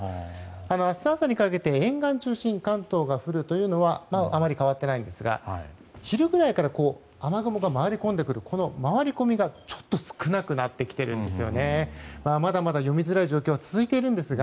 明日朝にかけて沿岸を中心に関東が降るというのはあまり変わってないんですが昼ぐらいから雨雲が回り込んでくる回り込みがちょっと少なくなってきています。